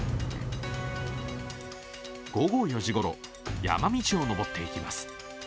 午後４時ごろ、山道を登っていきます。